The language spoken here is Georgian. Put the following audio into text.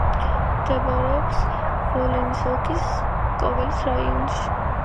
მდებარეობს ვოლინის ოლქის კოველის რაიონში.